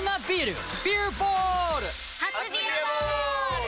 初「ビアボール」！